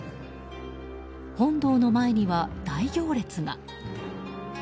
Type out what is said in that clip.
本堂の前には大行列が。